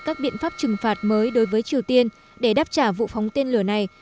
các biện pháp trừng phạt mới đối với triều tiên để đáp trả vụ phóng tên lửa này